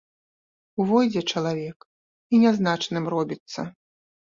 Увойдзе чалавек і нязначным робіцца.